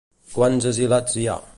Quants asilats hi ha?